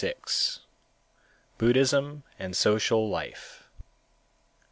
VI BUDDHISM AND SOCIAL LIFE _1.